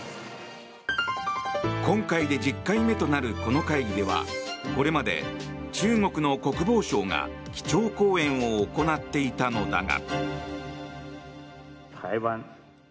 今回で１０回目となるこの会議ではこれまで中国の国防相が基調講演を行っていたのだが。